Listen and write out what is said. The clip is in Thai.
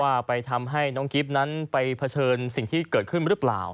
ว่าไปทำให้น้องกิฟต์นั้นไปเผชิญสิ่งที่เกิดขึ้นหรือเปล่า